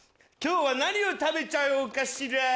今日は何を食べちゃおうかしら？